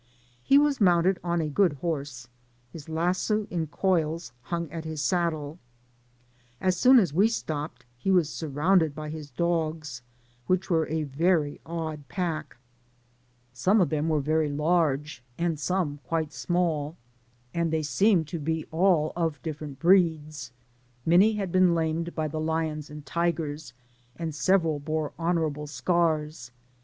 He was moimted on a good horse, his lasso in coils hung at his saddle. As soon as we slopped, he L 2 Digitized byGoogk 148 PASSAGE ACROSS was surrounded by his dogs, which were a very odd pack. Some of them were very large, and some quite small, and they seemed to be all of different breeds; many had been lamed by the lions and tigers, and several bore honourable scars.